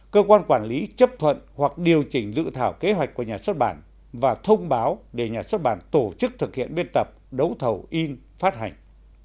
cơ quan quản lý chấp thuận hoặc điều chỉnh dự thảo kế hoạch của nhà xuất bản và thông báo để nhà xuất bản tổ chức thực hiện biên tập đấu thầu in phát hành